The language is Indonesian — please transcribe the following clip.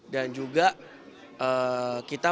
dan juga kita memiliki